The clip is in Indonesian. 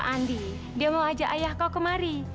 kata pak andi dia mau ajak ayah kau kemari